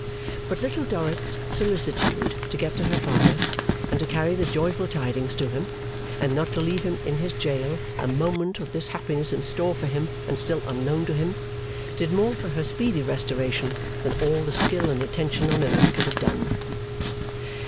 But Little Dorrit's solicitude to get to her father, and to carry the joyful tidings to him, and not to leave him in his jail a moment with this happiness in store for him and still unknown to him, did more for her speedy restoration than all the skill and attention on earth could have done.